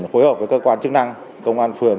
phối hợp với cơ quan chức năng công an phường